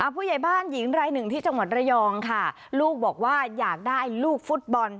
ผู้ใหญ่บ้านหญิงรายหนึ่งที่จังหวัดระยองค่ะลูกบอกว่าอยากได้ลูกฟุตบอล